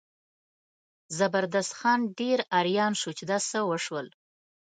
زبردست خان ډېر اریان شو چې دا څه وشول.